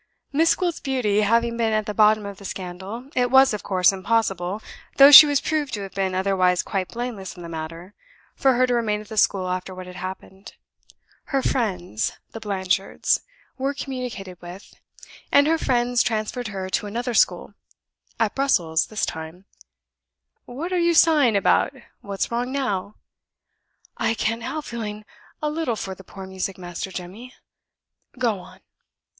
Miss Gwilt's beauty having been at the bottom of the scandal, it was, of course, impossible though she was proved to have been otherwise quite blameless in the matter for her to remain at the school after what had happened. Her 'friends' (the Blanchards) were communicated with. And her friends transferred her to another school; at Brussels, this time What are you sighing about? What's wrong now?" "I can't help feeling a little for the poor music master, Jemmy. Go on."